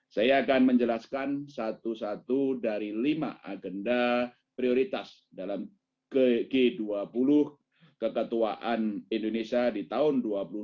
saya akan menjelaskan satu satu dari lima agenda prioritas dalam g dua puluh keketuaan indonesia di tahun dua ribu dua puluh dua